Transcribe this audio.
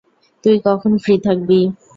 তুই কখন ফ্রি থাকবি?